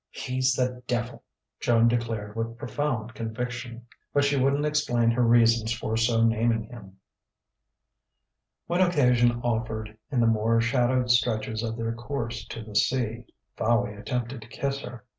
"He's the devil!" Joan declared with profound conviction. But she wouldn't explain her reasons for so naming him. When occasion offered, in the more shadowed stretches of their course to the sea, Fowey attempted to kiss her.